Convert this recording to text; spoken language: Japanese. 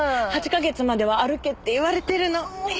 ８か月までは歩けって言われてるの！